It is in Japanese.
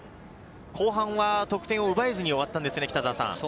後半は得点を奪えずに終わったんですよね。